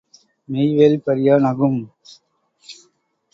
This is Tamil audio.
மெய்வேல் பறியா நகும்!